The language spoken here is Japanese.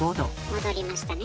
戻りましたね。